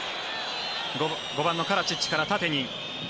５番のカラチッチから縦に。